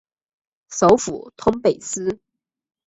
首府通贝斯。